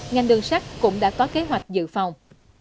ngành đường sắt cũng đã có kế hoạch dự phòng